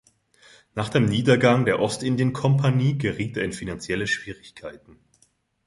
Nach dem Niedergang der Ostindienkompanie geriet er in finanzielle Schwierigkeiten.